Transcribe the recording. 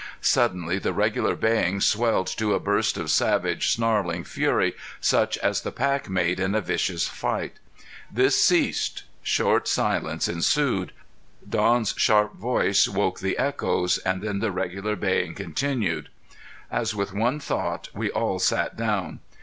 Suddenly the regular baying swelled to a burst of savage, snarling fury, such as the pack made in a vicious fight. This ceased short silence ensued; Don's sharp voice woke the echoes, then the regular baying continued. As with one thought, we all sat down.